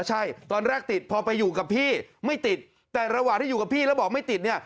ใช่ตอนแรกติดพอไปอยู่กับพี่ไม่ติดแต่ระหว่างที่อยู่กับพี่แล้วบอกไม่ติดเนี่ย